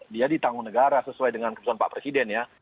dia ditanggung negara sesuai dengan keputusan pak presiden ya